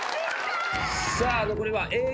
さあ残りはＡぇ！